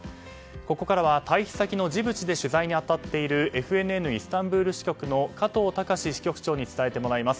ここからは退避先のジブチで取材に当たっているＦＮＮイスタンブール支局の加藤崇支局長に伝えてもらいます。